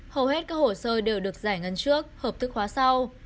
hầu hết các hồ sơ đều được giải ngân trước hợp thức hóa sau